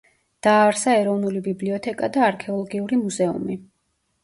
დააარსა ეროვნული ბიბლიოთეკა და არქეოლოგიური მუზეუმი.